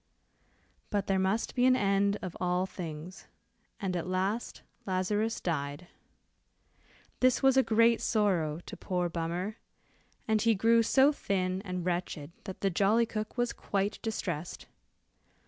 But there must be an end of all things, and at last Lazarus died. This was a great sorrow to poor Bummer, and he grew so thin and wretched that the jolly cook was quite distressed.